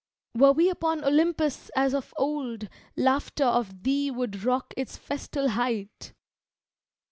Were we upon Olympus as of old Laughter of thee would rock its festal height.